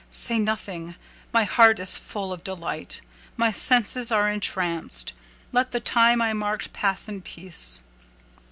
say nothing—my heart is full of delight—my senses are entranced—let the time I marked pass in peace."